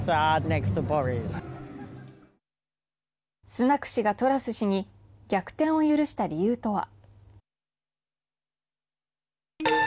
スナク氏がトラス氏に逆転を許した理由とは。